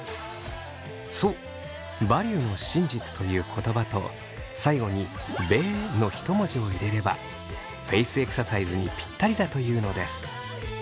そう「バリューの真実」という言葉と最後に「べー」のひと文字を入れればフェイスエクササイズにぴったりだというのです。